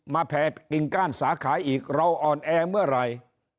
แผ่กิ่งก้านสาขาอีกเราอ่อนแอเมื่อไหร่